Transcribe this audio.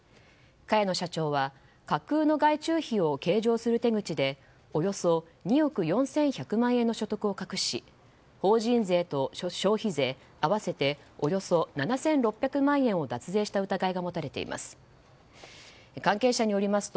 茅野社長は架空の外注費を計上する手口でおよそ２億４１００万円の所得を隠し法人税と消費税合わせておよそ７６００万円を脱税した疑いが持たれています。